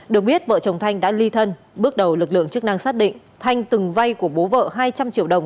được biết vợ chồng thanh đã ly thân bước đầu lực lượng chức năng xác định thanh từng vay của bố vợ hai trăm linh triệu đồng